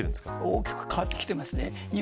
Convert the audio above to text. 大きく変わってきています。